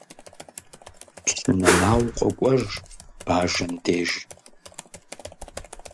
Пщы Нэнау къокӀуэж Бажэм деж.